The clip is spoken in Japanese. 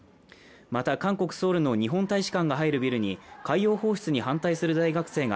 また韓国ソウルの日本大使館が入るビルに海洋放出に反対する大学生が